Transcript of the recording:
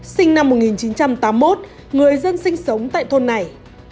sinh năm một nghìn chín trăm tám mươi một người dân sinh sống tại thôn này